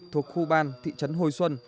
thuộc khu ban thị trấn hồi xuân